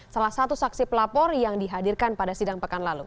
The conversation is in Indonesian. salah satu saksi pelapor yang dihadirkan pada sidang pekan lalu